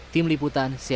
tim liputan cnn indonesia